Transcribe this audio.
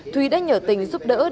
thúy đã nhờ tình giúp đỡ